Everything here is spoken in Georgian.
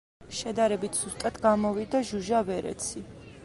შედარებით სუსტად გამოვიდა ჟუჟა ვერეცი.